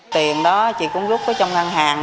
tiền đó chị cũng rút vào ngăn hàng